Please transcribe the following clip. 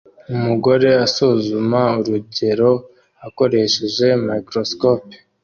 Umugore asuzuma urugero akoresheje microscope